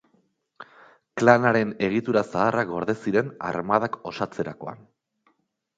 Klanaren egitura zaharrak gorde ziren armadak osatzerakoan.